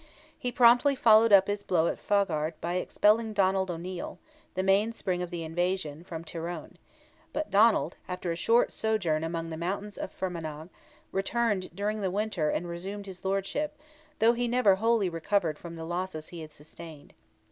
He promptly followed up his blow at Faughard by expelling Donald O'Neil, the mainspring of the invasion, from Tyrone; but Donald, after a short sojourn among the mountains of Fermanagh, returned during the winter and resumed his lordship, though he never wholly recovered from the losses he had sustained.